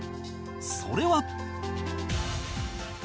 それは